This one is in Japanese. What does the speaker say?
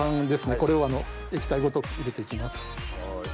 これを液体ごと入れて行きます。